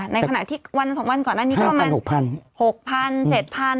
ในขณะที่วัน๒วันก่อนอันนี้ก็ประมาณ๖๐๐๗๐๐บาท